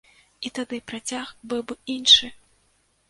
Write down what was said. І тады працяг быў бы іншы!